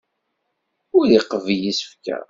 Ur iqebbel isefka.